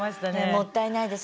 もったいないです。